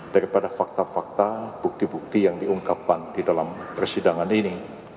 daripada fakta fakta bukti bukti yang diungkapkan di dalam persidangan ini